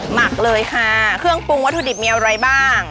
หมักเลยค่ะเครื่องปรุงวัตถุดิบมีอะไรบ้าง